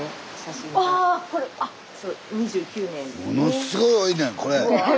スタジオものすごい多いねんこれ！